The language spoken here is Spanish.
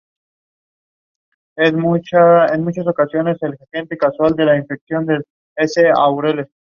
Fue escrita por John y Dino Elefante.